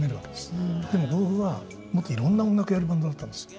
でもＲＯＧＵＥはもっといろんな音楽やるバンドだったんです。